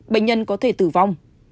bệnh nhân có thể tử vong